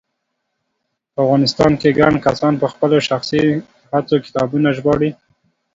په افغانستان کې ګڼ کسان په خپلو شخصي هڅو کتابونه ژباړي